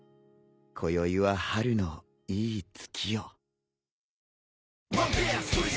こよいは春のいい月夜。